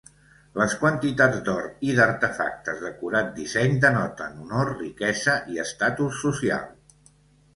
Les quantitats d'or i d'artefactes d'acurat disseny denoten honor, riquesa i estatus social.